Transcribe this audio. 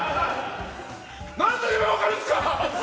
何度言えば分かるんですか！